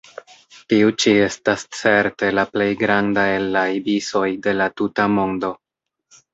Tiu ĉi estas certe la plej granda el la ibisoj de la tuta mondo.